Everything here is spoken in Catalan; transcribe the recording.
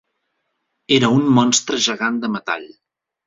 Era un monstre gegant de metall.